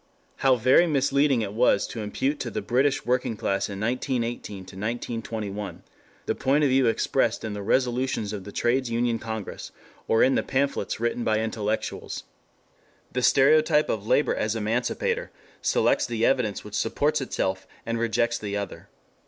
How very misleading it was to impute to the British working class in 1918 1921 the point of view expressed in the resolutions of the Trades Union Congress or in the pamphlets written by intellectuals. The stereotype of Labor as Emancipator selects the evidence which supports itself and rejects the other.